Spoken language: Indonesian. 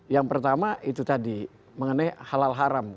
yang pertama itu tadi mengenai halal haram